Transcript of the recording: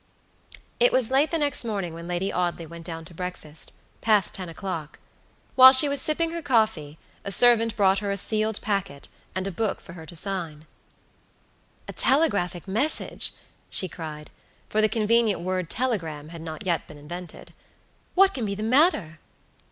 It was late the next morning when Lady Audley went down to breakfastpast ten o'clock. While she was sipping her coffee a servant brought her a sealed packet, and a book for her to sign. "A telegraphic message!" she cried; for the convenient word telegram had not yet been invented. "What can be the matter?"